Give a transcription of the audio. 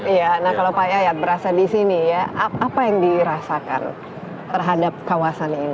iya nah kalau pak yayat berasa di sini ya apa yang dirasakan terhadap kawasan ini